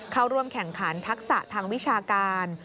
เข้าร่วมแข่งขันทักษะทางวิชาการ